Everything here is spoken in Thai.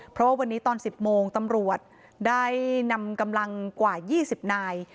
เพราะว่าวันนี้ตอน๑๐โมงตำรวจได้นำกำลังกว่า๒๐นาย